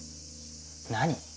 何？